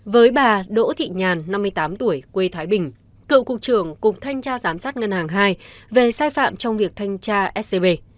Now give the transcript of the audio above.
với bà đỗ thị nhàn năm mươi tám tuổi quê thái bình cựu cục trưởng cục thanh tra giám sát ngân hàng hai về sai phạm trong việc thanh tra scb